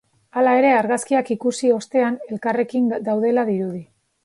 Hala ere, argazkiak ikusi ostean, elkarrekin daudela dirudi.